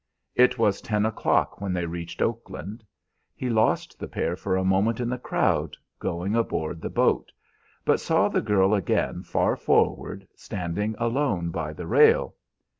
"It was ten o'clock when they reached Oakland. He lost the pair for a moment in the crowd going aboard the boat, but saw the girl again far forward, standing alone by the rail.